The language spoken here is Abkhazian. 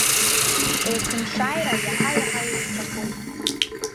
Есымшааира иаҳа-иаҳа уеицәахоит.